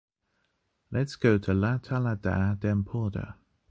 Let’s go to La Tallada d'Empordà.